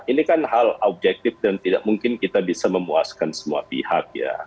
ini kan hal objektif dan tidak mungkin kita bisa memuaskan semua pihak ya